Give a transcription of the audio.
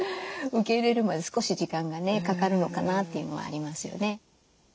受け入れるまで少し時間がねかかるのかなっていうのはありますよね。